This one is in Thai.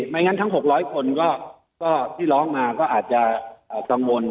ไม่งั้นทั้ง๖๐๐คนที่ร้องมาก็อาจจะกังวล